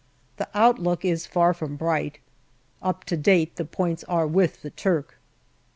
The outlook is far from bright. Up to date the points are with the Turk.